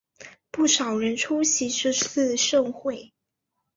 不少人出席这次盛会。